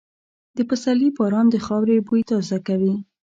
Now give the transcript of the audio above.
د پسرلي باران د خاورې بوی تازه کوي.